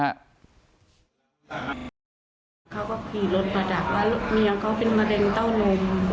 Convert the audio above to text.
เขาก็ผิดลดประดับว่าลูกเมียเขาเป็นมะเร็งเต้านม